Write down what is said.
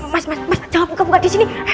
mas mas jangan buka buka disini